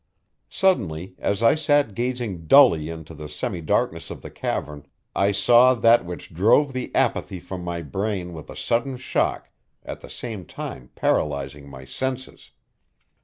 Suddenly, as I sat gazing dully into the semidarkness of the cavern, I saw that which drove the apathy from my brain with a sudden shock, at the same time paralyzing my senses.